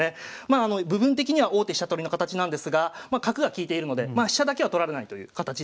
部分的には王手飛車取りの形なんですが角が利いているのでまあ飛車だけは取られないという形です。